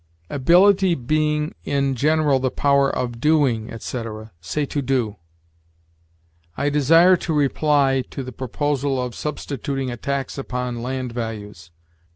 "Ability being in general the power of doing," etc. Say, to do. "I desire to reply ... to the proposal of substituting a tax upon land values